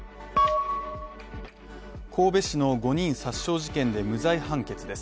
神戸市の５人殺傷事件で無罪判決です。